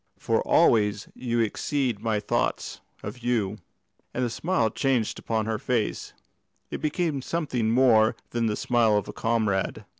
"For always you exceed my thoughts of you;" and the smile changed upon her face it became something more than the smile of a comrade.